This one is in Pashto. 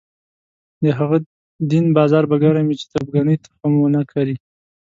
د هغه دین بازار به ګرم وي چې تربګنۍ تخم ونه کري.